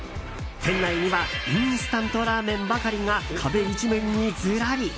店内にはインスタントラーメンばかりが壁一面にズラリ。